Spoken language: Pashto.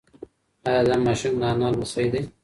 ایا دا ماشوم د انا لمسی دی؟